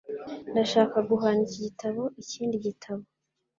Ndashaka guhana iki gitabo ikindi gitabo.